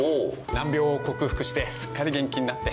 難病を克服してすっかり元気になって。